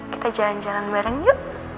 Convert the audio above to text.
kita jalan jalan bareng yuk